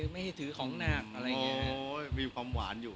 ไม่ให้ถือของหนัง